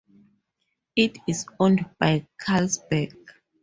It is owned by Carlsberg.